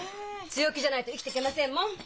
強気じゃないと生きてけませんもん！